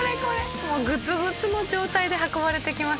もうグツグツの状態で運ばれてきます